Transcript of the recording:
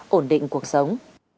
cùng cuộc sống